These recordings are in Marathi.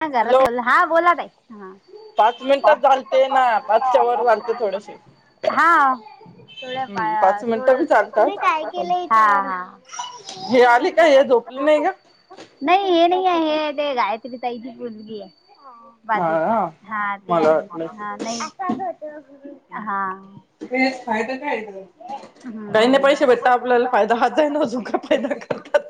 ह घरात हॅलो बोल हा बोलात आहे हा पाच मिनिटात चालते ना पाचच्या वर चालते थोडेसे हा थोड हम्म पाच मिनिटं थोड बी चालतात तुम्ही काय पण केलं हे आले का हे झोपले नाही का नाही हे नाही हे तेाय ची मुलगी आहे बाजूची हा हा ते मला आध वाटलं हा नाही हा काही नाही हम्म पैसे भेटता आपल्याला फायदा हाच आहे ना अजून का फायदा करतात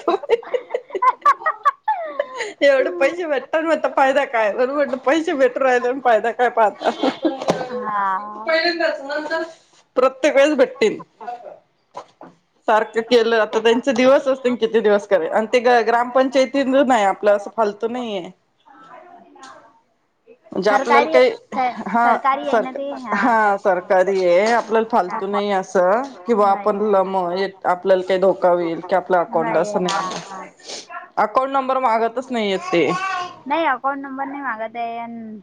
एवढं पैसे भेटतात मता फायदा काय बर म्हट पैसे भेटू राहिले फायदा काय पाहता हा पहि प्रत्येक वळेस भेटतीलन सारखं केलं आता त्यांचे दिवस असतील किती दिवस के आणि ते ग्रामपंचायती नाही आपलं असं फालत नाहीय. म्हणजे आपल्याला सरकारी काही सर हा सरकारी आहे सर ना ते हा सरकारी आहे. आपल्या फालतू हा नाही अस किं आप नाही आपल्याला काही धोका होईल क आप अकाउंट अस हा नाही हा अकाउंट नंबर मागतच नाही य ते.. हम्म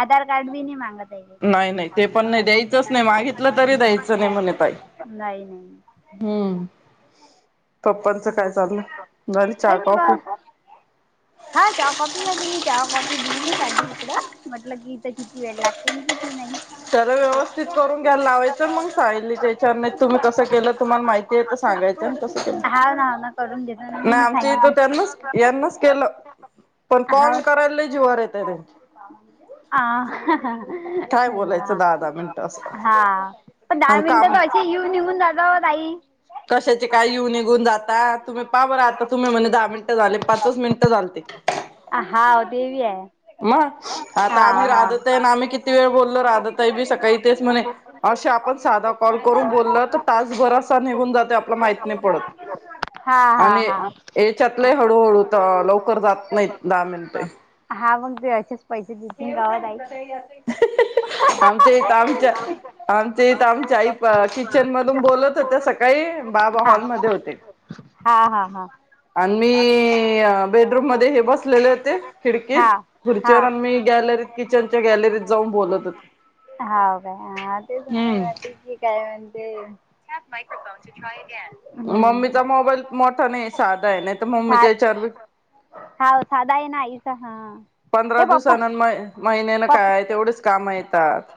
आधार कार्ड बी नाही मागत.. आहे नाही नाही ते पण नाही द्यायचच नाही मागितलं. तरी द्यायचं म्हणे ताई नाही नाही हम्म पप्पांचं काय चाललं झाली चहा बा कॉफी हाय कॉपी मी हा कॉफी देऊ ना सा इकड म्हटल की इथं किती वेळ लागते किती नाही. सर व्यवस्थित करून घ्यायला लावायच. मग सांगितलीच्या नाही तुम्ही कसं केलं तुम्हाला माहिती आहे तर सांगायचं कस केलं हाव ना हाव ना करून देतो ना नाही मी आमच्या इथ सांगितलं त्यांनाच यांनाच केलं पण हाव कॉल करायला जीवरवर येत. आ काय बोलायचं हा दहा दहा मिनटं असं.. हा पण दहा मिनिटं काम तर अशी येऊन निघून जातात ओ ताई कशाचे काय येऊन निघून जाता तुम्ही पाहा बर आता तुम्ही म्हणे दहा मिनिटं झाले पाचच मिनिट झाल ते हाव ते बी आहे म हा आता आम्ही हा राधतय ना आम्ही किती वेळ बोललो रा राधाताईबी सकाळी तेच म्हणे अस. आपण साधा कॉल करून बोलल तर तासभरासा निघून जाते आपला माहत नाही पडत हा हा आणि हा याच्यातले हळूहळू तर लवकर जात नाही दहा मिनटे.. हा मग तेचेच पैसे दतीलन काय ताई.. आमच्या इथं आमच्या [unintelligible] आमच्या आमच्या आई किचन मधून बोलत होत्या सकाळी बाबा हा हॉलमध्ये होते हा हा आणि मी बेडरूम मध्ये हे बसलेले होते खिडकीत हा हा खुर्चीवर मी गॅलरीत किचनच्या ह गॅलरी. का हम्म. की काय म्हणते. [unintelligible] मम्मीचा हम्म मोबाईल मोठा नाही साधा आहे, नाही तर मम्मीच्या साध याच्यावर बी हा साधा आहे ना आईचा हा हे पंधरा पप्पा दिवसान न महिन्यान पप्पा काय तेवढेच काम येतात.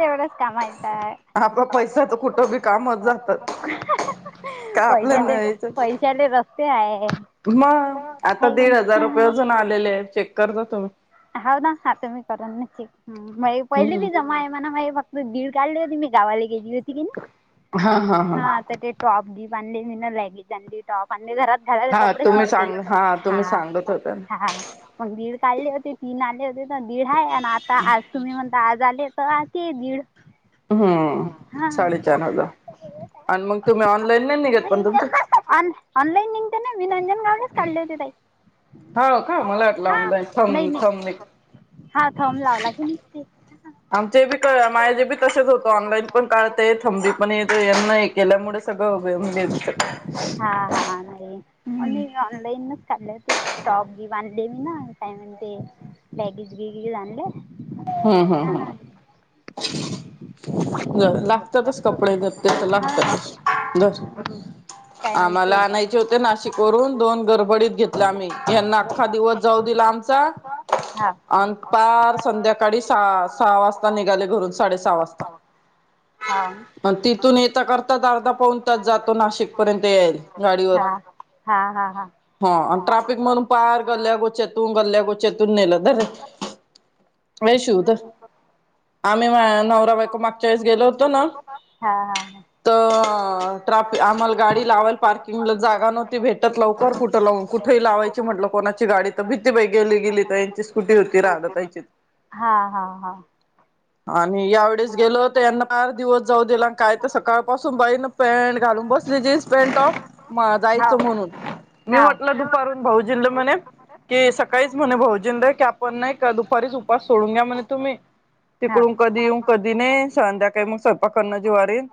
तेवढं कामाय येता. आपला पैसा तर कुठं बी कामच जातात. काय आपल्या पैशा नाही याच्यात पैशाले रस्ते आहे. मग आता हा दीड हजार रुपये ना अजून आलेले आहे चेक करता तुम्ही हाव ना तुम्ही करून न पहिले हम्म बी जमा आहे म्हणा. फक्त दीड काढलं होते मी गावाला गेली होती क नाही. हा आता ते टॉप जीन्स आणली मीन लॅगेज आणली, टॉप आणले घरात घालायला हा कपडेच तुम्ही नव्हते. सांग तुम्ही हा सांगत होता ना हा मग दीड काढले होते तीन, आले होते दीडा हाय आणि आता आज तुम्ही म्हण दहा झालेत आज ते दीड हम्म हा साडेचार हजार आणि मग तुम्ही ऑनलाईन नाही निघत पण तुमचे ऑ ऑनलाईन निघते ना विनंजन लावणेच काढले होते ताई. हो का मला वाटलं हा ऑनलाईन नाही थंब थंब निघ नाही हा थम्म लावला की निघते. आ चेबी माझ जे बी तसेच होत. ऑनलाईन पण काडते थम बी पण येत यांना हे केल्यामुळे सगळं उभ हा हा काडले होते. टॉप बीप आणले मीन, काय म्हण ते लेगिज बिगीज आणले. हम्म हम्म हम्म. हा ज लागतातच कपडे त्या तर लागतातच. धर काय आम्हाला म्हणते आणायचे होते नाशिक वरून दोन गडबडीत घेतल् आम्ही यांना अख्खा दिवस जाऊ दिला आमचा आणि पार संध्याकाळी सहा सहा वाजता निघाले घरून. साडे सहा वाजता. अ तिथून येेत करताच अर्धा पाहणताच जातो नाशिक पर्यंत येल गाडीवर. हा हा हा हा हा ट्राफिक म्हणून पार गल्ल्यागोचतून गल्ल्यागोचतून नेलं. धर रे ए शिव धर. आम्ही नवरा बायको माग गेल होत ना. तर् आम्हाला गाडी लावाल पार्किंगला जागा नव्हती भेटत लवकर कुठं लावून कुठेही लावायची म्हटलं कोणाची गाडी, तर भीती गेली गेली तर यांची स्कुटी होती राधा ताईची. हा हा हा हा हा आणि यावेळेच गेलो त्यांना आड दिवस जाऊ दिला काय तर सकाळ पासून बाईन पॅन्ट घालून बसली जीन्स पॅन्ट टॉप, हा हा जायचं म्हणून. मी हा हा म्हटलं दुपारून भाऊजील म्हणे कि सकाळीच म्हणे भाऊजीन ला, की आपण नाही का दुपारीच उपवास सोडून घ्या म्हणे तुम्ही, तिकडून कधी येऊन कधी नाही. संध्याकाळी मग स्वयपाक करणं जीवावर येईल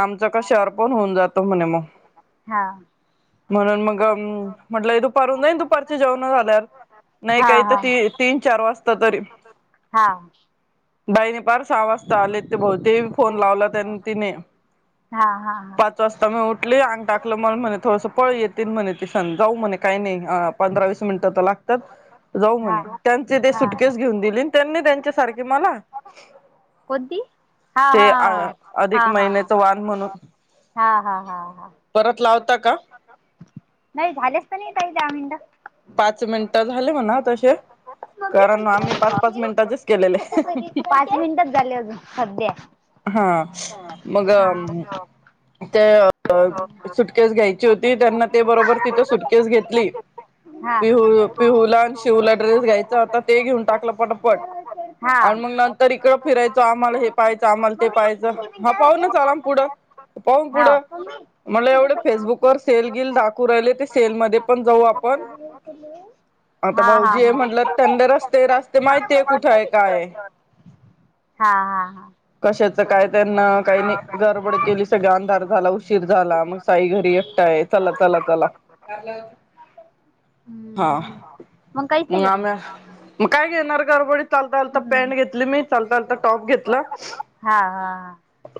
आमचं का श होऊन जात म्हणे मग. हा म्हणून मग म्हंटल दुपार जाई दुपा जेवण झाल्या नाही हा हा काही तर हा ती तीन चार वाजता तरी हा हा दयनपार सावास आले ते बते फोन लावला त्यां तिने हा हा हा आंग टाकलं मण म्हणे थोडं पळ येतील म्हणे त सण जाऊ म्हणे काही नाही पंधरा वीस मिनिटं तर लागतात जाऊ हा हा हा म्हणे त्यांचे हा सुटकेस घेऊन दिली त्यांनी त्यांच्या सारखे मला कोदी हा हा ते हा अधिक हा महिन्याच ह वान म्हणून हा हा हा ह परत लावता का नाही झालेस तर नाही का इ ते आमंंद पाच मिनिटं झाले म्हणा तसे मम्मी कारण पैसे आम्ही पाच पाच किती मिनटाचेच केलेले घेतले? पाच मिनिटच झाले अजून सध्या हा मग हा ते सुटकेस घ्यायची होती त्यांना ते बरोबर तिथं सुटकेस घेतली हा पिहू पिहूला आणि शिहूला ड्रेस घ्यायचा होता ते घेऊन टाकलं पटपट हा आणि मग नंतर इकडं फिरायचं आम्हाला हे पाहाचं आम्हाला ते पाहायचं हा पाहून चला न पुढं पाहून हाव पुढं मला एवढं फेसबुक व सेल गिल दाखव कराले ते सेलमध्ये पण जाऊ आपण आता हा हा भाऊजी हे हा म्हंटलं त्यांंद रस्त ते रस्ते माहिती हा आहे कुठे आहे काय हा हा हा कशाच काय त्यांना काही नाही गडबड केली स ग अंधार झाला उशीर झाला मग साई घरी एकटा आहे चला चला चला हा हम्म काहीच मग नाही घेतलं आम्या मग काय घेणार गरबडी चालता चालता लता हम्म पॅन्ट घेतली मी चालता चालता टॉप घेतला हा हा ह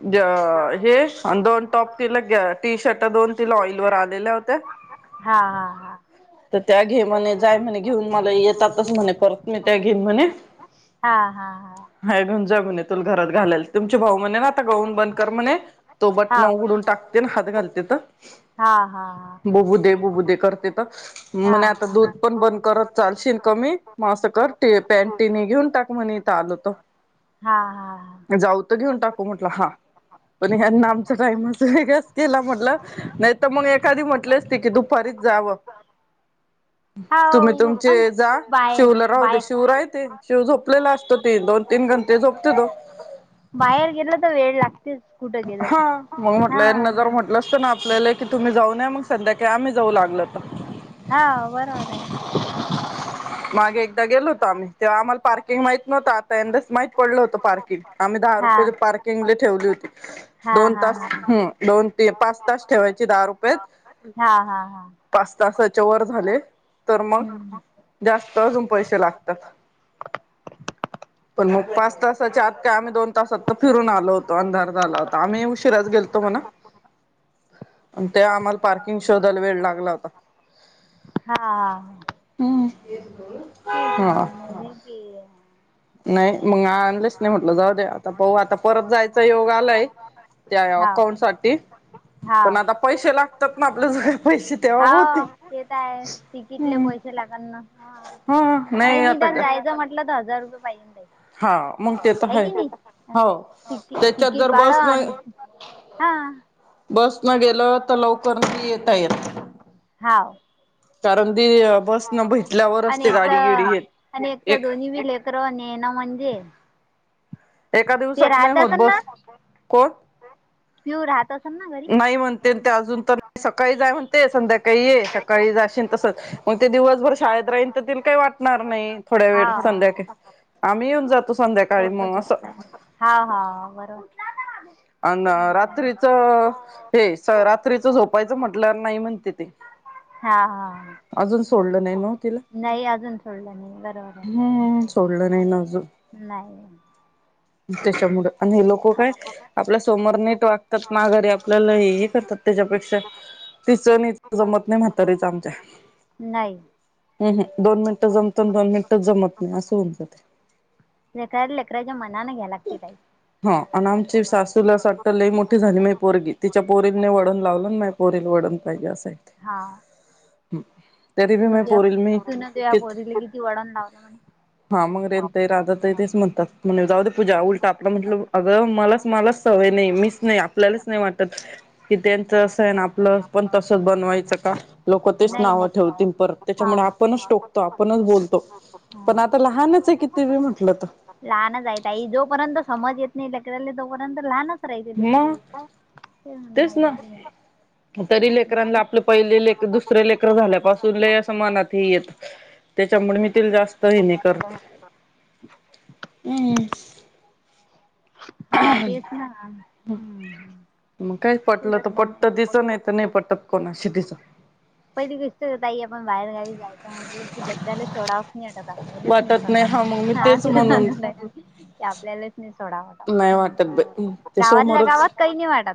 हे दोन टॉप तिला टी शर्ट दोन तिला ऑइलवर आलेल्या होत्या हा हा हा तर त्या घेमने जाय म्हणे घेऊन मला येतातच म्हणे परत मी त्या घीन म्हणे हा हा हा ह घंजा म्हणे तुला घरात घालेल तुमचे भाऊ म्हणे ना आता गाऊन बंद कर म्हणे तो हा बटण उघडून टाकतो ते न हात घालतेत हा हा हा बुबू दे कर तथ म्हणे आता दूध हा पण बंद करत चालशील कमी मग असं कर पॅन टिनी घेऊन टाक म्हणे इथं आलत हा हा जाऊ तर घेऊन टाकू म्हटलं हा पण हना आमच्या टाइमच वेगळाच केला म्हटलं नाही तर मग एखादी म्हटले असते की दुफारीच जावं हा तुम्ही हो तुम अन जे जा बाय शिवला राह दे बाय शिव राहेते शिव झोपलेला असतो ती दोन तीन घंटे झोपते तो बाहेर गेलं तर वेळ लागतेच कुठं गेलं हा की मग हा म्हटलं न जर म्हटलं असत ना आपल्याला की तुम्ही जाऊ नय मग संध्याकाळी आम्ही जाऊ लागल तर हा बरोबर आहे मागे एकदा गेलो होतो आम्ही तेव्हा आम्हाला पार्किंग माहत नव्हत आता यंदाच माहीत पडल होतं पार्किंग आम्ही दहा हा रुपये पार्किंगले ठेवली होती हा दोन हा तास हा हम् दोन पाच तास ठेवायची दहा रुपयत हा हा हा पास्ता व झाले तर मग हम्म जास्त अजून पैसे लागतात पण मग पाच तासाच्या आत का आम्ही दोन तासात तर फिरून आलो होतो अंधार झा हो आम्ही उशिराच गेलतो म्हणा ते आम्हाला पार्किंग शोधायला वेळ लागला होता् हा ते झा ना नाही मग आणलेच नाही म्हटलं जाऊ दे आता पाऊ आता परत जायचा योग आलाय त्या हाव अकाउंट साठी पण हाव आता पैसे लागतात ना आपल्या जगळे पैसे तेव्हा होत येत आहे तिकीटले पैसे लागना हा नाही आता निदान का जायचं म्हटलं तर हजार रुयई हा मग ते तर ह हो तिकी त्याच्यात तिकीट जर बस भाडं ना अन हा बस न गेलं तर लवकर नाही येता येत हा कारण ती बस न ब आणि एकचा आणि एकचा एक दोन्ही वि लेकर ने ना म्हणजे एका ते दिवसात नाही राहत होत बस कोण प्यूर राहातच नाही म्हणते ते अजून तर सकाळी जाय म्हणते संध्याकाळी ये सकाळी जाशन तसंच मग ते दिवसभर शाळेत राहीन तर त काही वाटणार नाही थोडे्या वेळ हाव सांध्याक आम्ही येऊन जातो संध्याका ो हा हा बरोबर अ रात्रीचं हे रात्रीचं झोपायचं म्हटल्यावर नाही म्हणते ते हा हा सोडल नाही न तिला नाही अजून सोडलं नाही बरोबर हम्म सोडलं नाही हे नाही. ते. त्यामुळआणि हे लोक काय? समोर नीट वागतात माघारी आपल्याला हे हे करतात त्याच्यापेक्षा तिचं नी जमत नाही म्हातारीच आमच्या. नाही. अहम्म दोन मिनिटं जमत दोन मिनिटच जमत नाही असं होणत ते. लेकराल लेकराच्या मनाने घ्या लागतील काही. चीव सास तुला आस वाटत लई मोठी झाली माही पोरगी तिच्या पोरील नई वडण लावलं ना माही पोरील वडण पाहिजे असाय ते. तरी बी तुन त माझ्या पोरीला मी [unintelligible] तु न तूया पोरीले किती वळून लावलं म्हणे. तेन ते राधा ताई तेच म्हणतात म्हणे जाऊ दे पूजा उलट आपण घेऊन अग मलाच मलाच. सवय नही मीस नही आपल्यास नही वाटत की त्यांच अस हे न आपाल पण तस बनवायचं का लोक तेच नाही नावं नाही ठेवतील परत हा हा त्याच्यामुळे आपणच टोकतो आपणच बोलतो हा पण हा आता लहानच आहे किती बी म्हटल तर. लहानच आहे ताई जोपर्यंत समज येत नाही लेकरांनले तोपर्यंत लहानच ले मग त [unintelligible] तेच ना तरी लेकरांला आपले पहिले लेकर दुसरे लेकर झाल्यापासून ल असं मनात ह येत त्याच्यामुळे मी तिला जास्त हने करत हम्म. हा तेच ना, म काय? तेच पटलं तर म्हणणं आहे. पटत दिस नाही तर नाही पट तप को ना शिद्धस पहिली गोष्ट ताई आपण बाहेर गावी जायचं म्हटल की लेकराल सोडावच नाही वाटत आपल्यालाच नाही वाटत हा मग मी सोडत तेच म्हणून ते आपल्यालाच नाही. सोडाव नाही वाटत बाई ते गावातल्या समोरच गावात काही नाही वाटत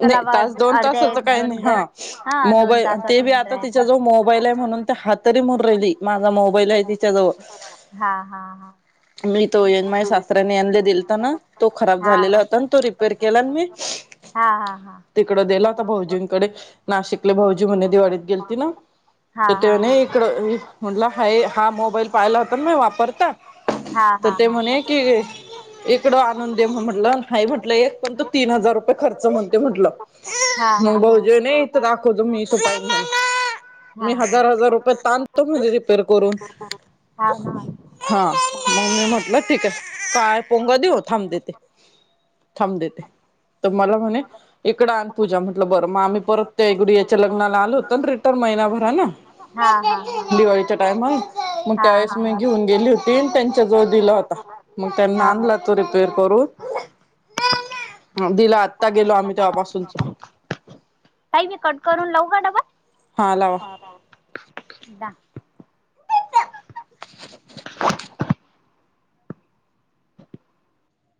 चला नाही तास वाद दोन अर्ध्या तासाच एक काही दोन नाही ग हा हा दोन मोबाईल तासात. ते बी येऊन आता तिचा राहिले जवळ मोबाईल हे म्हणन. हा तरी मोर राहिली माझा मोबाईल आहे तिच्याजवळ. हा हा हा हा. मी. तो येन माहे सासरने याणले दिल. त्यांना तो खराब हा झालेला हा होता ण तो रिपेर गेला मी हा हा हा. तिकडं देला होता भाऊजींकडे नाशिकले भाऊजी म्हणे दिवाळीत गेलती ना हा तर हा हा तेने इकड [unintelligible] म्हटलं हाय हा मोबाईल पाहिला होता ना म वापरता. हा तर हा ते म्हणे की. एक तीकडं आनुनदे म्हटलं नाही म्हटलं एक पण तो तीन हजार रुपये खर्च म्हणते म्हटलं. हा हा हा मग बहज नाही तर दाखव [unintelligible] [unintelligible] मी हा मी हजार हजार रुपये तातो म्हे रिपेर करून हा हा हाव हा मग मी ना म्हटलं ठीके काय पोंगा देऊन थांब देते थांब देते तर मला म्हणे इकड अ पूजा म्हटलं बरं मग आम्ही परत [unintelligible] त्यागड याच्या लग्नाला आलो होत रिटर्न महिनाभरा ला. हा हा हा [unintelligible] दिवाळी च काय मग. मग हा त्या ववेळेस मी घेऊन गेली होती. टीन त्यांच्या जवळ दिला होता. मग त्यांना हा हा आणलं र करून दिला, आता गेलो आम्ही तेव्हापासूनच. ऐक की कट करून लावू का डबल. हा लावा. दा